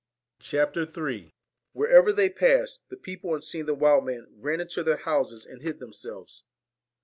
CHAPTER III WHEREVER they passed, the people on seeing the wild man, ran into their houses and hid them 42 selves.